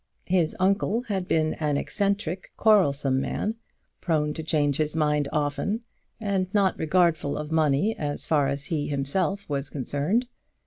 His uncle had been an eccentric, quarrelsome man, prone to change his mind often, and not regardful of money as far as he himself was concerned.